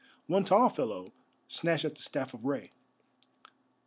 One tall fellow snatched at the staff of Rei.